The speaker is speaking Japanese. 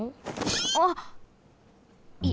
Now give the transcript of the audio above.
あっ。